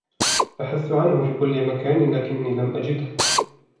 بحثت عنه في كل مكان لكني لم أجده.